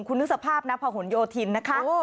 คุณภาพนะผ่านหุ่นโยธินนะคะ